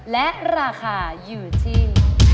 และราคาอยู่ที่